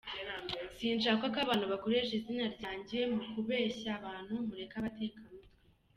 Sinshaka ko abantu bakoresha izina ryanjye mu kuresha abantu, mureke abatekamutwe.